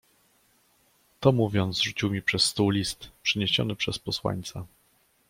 "To mówiąc, rzucił mi przez stół list, przyniesiony przez posłańca."